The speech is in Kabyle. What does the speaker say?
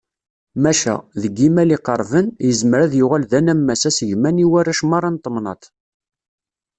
Maca, deg yimal iqerben, yezmer ad d-yuɣal d anammas asegman i warrac merra n temnaḍt.